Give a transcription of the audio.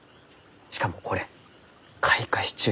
しかもこれ開花しちゅう